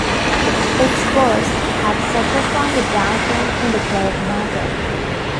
Exports have suffered from the downturn in the clove market.